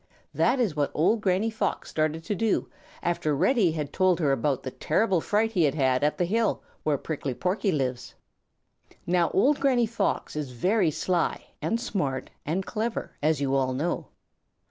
That is what old Granny Fox started to do after Reddy had told her about the terrible fright he had had at the hill where Prickly Porky lives. Now old Granny Fox is very sly and smart and clever, as you all know.